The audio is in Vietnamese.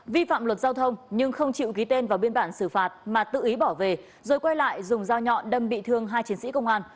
vi phạm luật giao thông nhưng không chịu ký tên vào biên bản xử phạt mà tự ý bỏ về rồi quay lại dùng dao nhọn đâm bị thương hai chiến sĩ công an